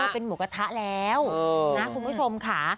เป็นหมูกระทะแล้วนะคุณผู้ชมค่ะ